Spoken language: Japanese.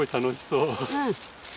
うん。